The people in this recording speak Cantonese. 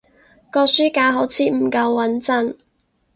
個書架好似唔夠穏陣